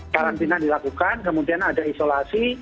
karantina dilakukan kemudian ada isolasi